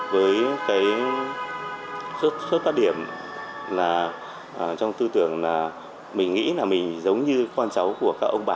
với cái xuất phát điểm là trong tư tưởng là mình nghĩ là mình giống như con cháu của các ông bà